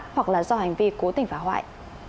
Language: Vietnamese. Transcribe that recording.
hoặc là do hành vi cố tình phá hoại